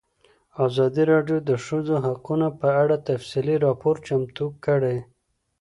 ازادي راډیو د د ښځو حقونه په اړه تفصیلي راپور چمتو کړی.